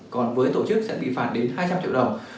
còn với tổ chức sẽ bị phạt đến hai trăm linh triệu đồng